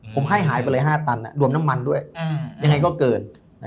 ผมให้หายไปเลย๕ตันรวมน้ำมันด้วยยังไงก็เกิน